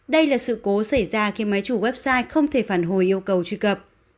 đây là sự cố xảy ra khi máy chủ website không thể phản hồi yêu cầu truy cập